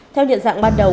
theo nhận dạng ban đầu